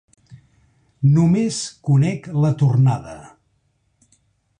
Només conec la tornada.